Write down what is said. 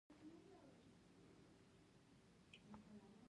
وزې د انسان د زړه نه نه وځي